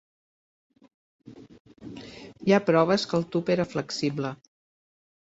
Hi ha proves que el tub era flexible.